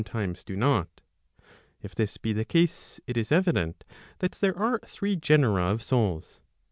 times do not);—if this be the case, it is evident that there are three genera of souls.